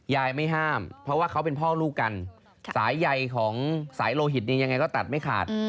ไม่ห้ามเพราะว่าเขาเป็นพ่อลูกกันสายใยของสายโลหิตยังไงก็ตัดไม่ขาด